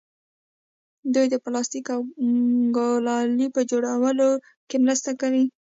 دوی د پلاستیک او ګلالي په جوړولو کې مرسته کوي.